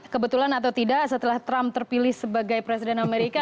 kebetulan atau tidak setelah trump terpilih sebagai presiden amerika